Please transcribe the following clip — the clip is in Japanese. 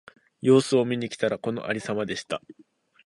様子を見に来たら、このありさまでした。